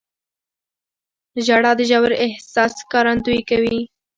• ژړا د ژور احساس ښکارندویي کوي.